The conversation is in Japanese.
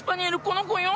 この子よ。